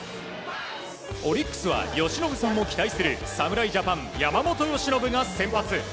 オリックスは由伸さんも期待する侍ジャパン山本由伸が先発。